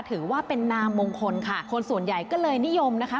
ถือว่าเป็นนามมงคลค่ะคนส่วนใหญ่ก็เลยนิยมนะคะ